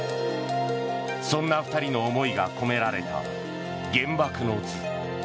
そんな２人の思いが込められた「原爆の図」。